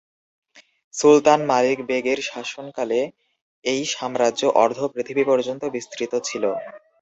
সুলতান Malik Beg এর শাসনকালে এই সাম্রাজ্য অর্ধ-পৃথিবী পর্যন্ত বিস্তৃত ছিলো।